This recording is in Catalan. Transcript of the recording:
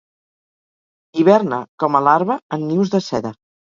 Hiberna com a larva en nius de seda.